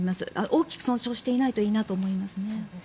大きく損傷していないといいなと思いますね。